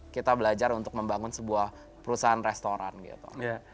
kita belajar untuk membangun sebuah perusahaan restoran gitu